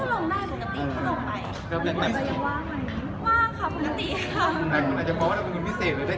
ก่อนเราคุยกันก็ห่วนคุยกันแล้วว่า